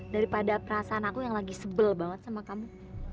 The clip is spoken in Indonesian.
daripada perasaan aku yang lagi sebel banget sama kamu